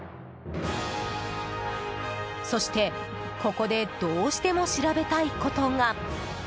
そして、ここでどうしても調べたいことが。